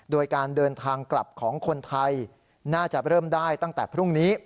โดยการเดินทางกลับของคนไทยน่าจะเริ่มได้ตั้งแต่พรุ่งนี้